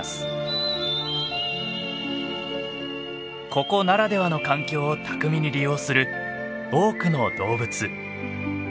ここならではの環境を巧みに利用する多くの動物。